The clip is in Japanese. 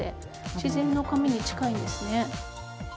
自然の髪に近いですね。